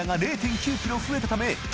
９ｋｇ増えたため．